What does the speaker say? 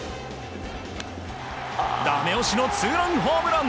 ダメ押しのツーランホームラン。